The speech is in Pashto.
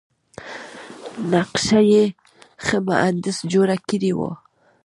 نقشه یې ښه مهندس جوړه کړې وه.